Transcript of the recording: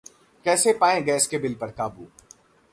कैसे पाएं गैस के बिल पर काबू